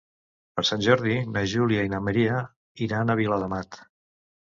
Per Sant Jordi na Júlia i na Maria iran a Viladamat.